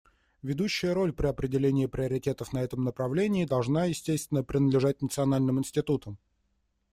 Ведущая роль при определении приоритетов на этом направлении должна, естественно, принадлежать национальным институтам.